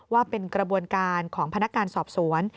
ว่าเป็นกระบวนการของพนักงานสอบสวน